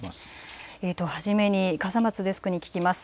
初めに笠松デスクに聞きます。